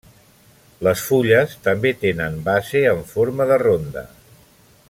Les fulles també tenen base en forma de ronda.